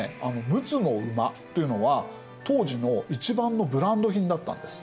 陸奥の馬っていうのは当時の一番のブランド品だったんです。